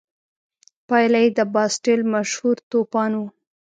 پایله یې د باسټیل مشهور توپان و.